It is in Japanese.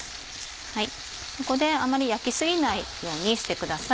ここであんまり焼き過ぎないようにしてください。